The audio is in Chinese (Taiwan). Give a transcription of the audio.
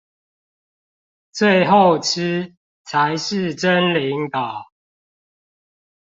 最後吃，才是真領導